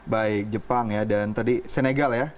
baik jepang ya dan tadi senegal ya